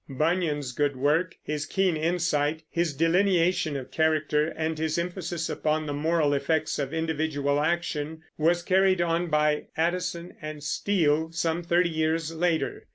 Bunyan's good work, his keen insight, his delineation of character, and his emphasis upon the moral effects of individual action, was carried on by Addison and Steele some thirty years later.